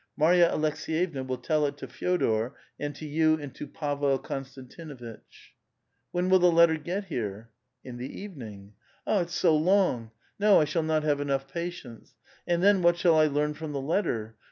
Marya Aleks^yevna will tell it to Fe6dor, and to you and to Pavel Konstantinuitch." " When will the letter get here?" " In the evening." ''It's so long! No, I shall not have enough patience I And then what shall I learn from the letter?